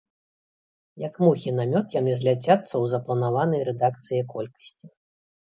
Як мухі на мёд, яны зляцяцца ў запланаванай рэдакцыяй колькасці.